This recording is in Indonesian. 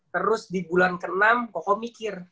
terus di bulan ke enam pokoknya mikir